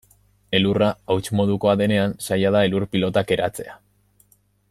Elurra hauts modukoa denean, zaila da elur-pilotak eratzea.